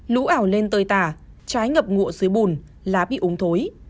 lũ ảo lên tơi tả trái ngập ngụa dưới bùn lá bị úng thối